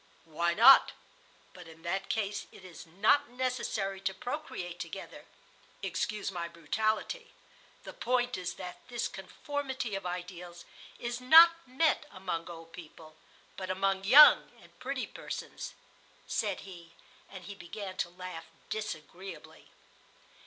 "Why not? But in that case it is not necessary to procreate together (excuse my brutality). The point is that this conformity of ideals is not met among old people, but among young and pretty persons," said he, and he began to laugh disagreeably.